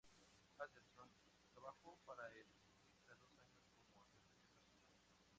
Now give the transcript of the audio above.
Anderson trabajó para el ciclista dos años como asistente personal.